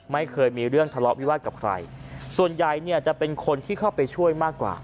ไม่เคยมีเรื่องทะเลาะวิวาสกับใครส่วนใหญ่เนี่ยจะเป็นคนที่เข้าไปช่วยมากกว่า